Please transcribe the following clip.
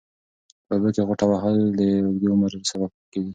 په اوبو کې غوټه وهل د اوږد عمر سبب کېږي.